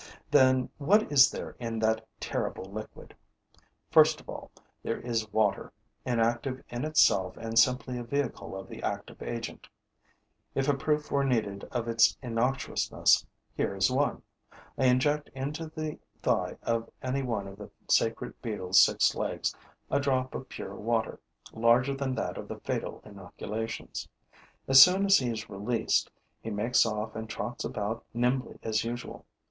Then what is there in that terrible liquid? First of all, there is water, inactive in itself and simply a vehicle of the active agent. If a proof were needed of its innocuousness, here is one: I inject into the thigh of any one of the sacred beetle's six legs a drop of pure water larger than that of the fatal inoculations. As soon as he is released, he makes off and trots about as nimbly as usual.